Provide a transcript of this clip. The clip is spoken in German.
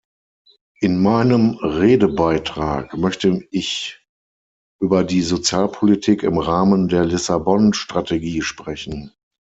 In meinem Redebeitrag möchte ich über die Sozialpolitik im Rahmen der Lissabon-Strategie sprechen.